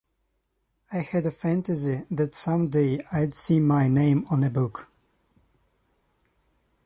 I had a fantasy that someday I'd see my name on a book.